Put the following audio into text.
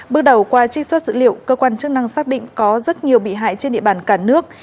bước đầu qua trích xuất dữ liệu cơ quan chức năng xác định có rất nhiều bị hại trên địa bàn cả nước